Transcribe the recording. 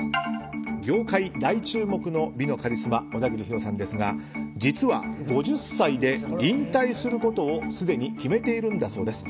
業界大注目の美のカリスマ小田切ヒロさんですが実は５０歳で引退することをすでに決めているんだそうです。